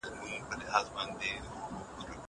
زه بايد کالي وچوم!